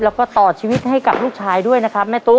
แล้วก็ต่อชีวิตให้กับลูกชายด้วยนะครับแม่ตุ๊